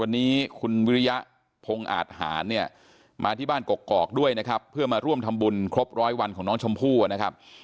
วันนี้คุณวิริยะพงอาทหารเนี่ยมาที่บ้านกกอกด้วยนะครับเพื่อมาร่วมทำบุญครบร้อยวันของน้องชมพู่นะครับ